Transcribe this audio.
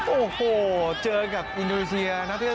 โอ้โหเจอกับอินโดรีเซียนะครับ